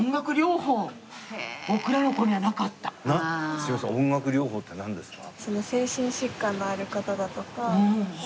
すいません音楽療法ってなんですか？